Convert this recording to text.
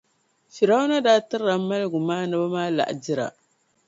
Firawuna daa tirila maligumaaniba maa laɣidira.